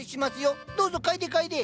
どうぞ嗅いで嗅いで！